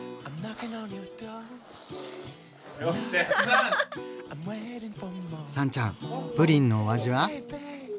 あん！さんちゃんプリンのお味は？